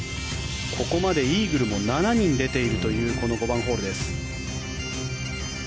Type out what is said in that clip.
ここまでイーグルも７人出ているというこの５番ホールです。